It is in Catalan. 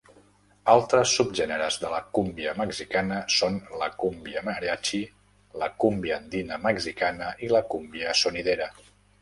Altres subgèneres de la cúmbia mexicana són la cúmbia mariachi, la cúmbia andina mexicana i la cúmbia sonidera.